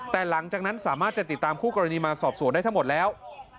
แต่หลังจากนั้นสามารถจะติดตามคู่กรณีมาสอบสวนได้ทั้งหมดแล้ว